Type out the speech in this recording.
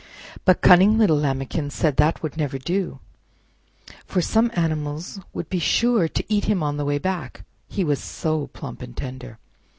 But cunning little Lambikin said that would never do, for some animal would be sure to eat him on the way back, he was so plump and tender.